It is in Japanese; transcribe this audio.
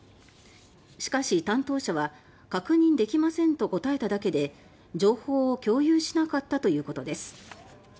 しかし担当者は「確認できません」と答えただけで情報を共有しなかったということです。